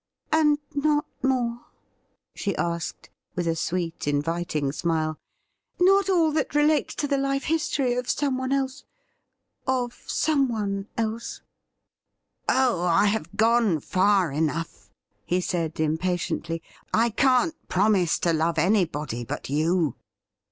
' And not more ?' she asked, with a sweet, inviting smile. ' Not all that relates to the life history of someone else — of someone else .?'' Oh, I have gone far enough,' he said impatiently. ' I can't promise to love anybody but you.'